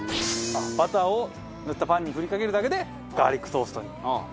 バターを塗ったパンに振りかけるだけでガーリックトーストに。